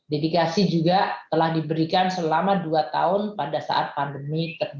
dedikasi juga telah diberikan selama dua tahun pada pusat dan daerah tni polri dan pensiunan